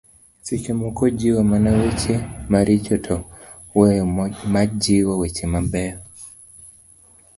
seche moko jiwo mana weche maricho to weyo majiwo weche mabeyo